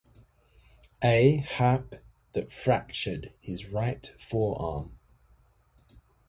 A. Happ that fractured his right forearm.